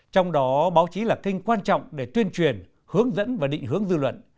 trong đó báo chí là kênh quan trọng để tuyên truyền hướng dẫn và định hướng dư luận